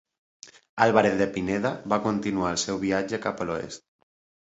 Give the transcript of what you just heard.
Álvarez de Pineda va continuar el seu viatge cap a l'oest.